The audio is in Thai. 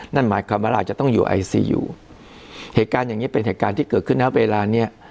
นั่นหมายความว่าเราจะต้องอยู่ไอซียูเหตุการณ์อย่างงี้เป็นเหตุการณ์ที่เกิดขึ้นนะเวลาเนี้ย